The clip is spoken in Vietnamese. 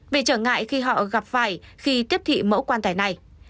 vì trở ngại khi họ gặp phải khi tiếp thị mẫu quan tài này